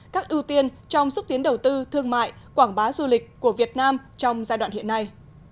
các ưu tiên trong xúc tiến đầu tư thương mại quảng bá du lịch của việt nam trong giai đoạn hiện nay